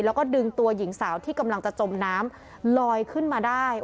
แล้วก็ดึงตัวหญิงสาวที่กำลังจะจมน้ำลอยขึ้นมาได้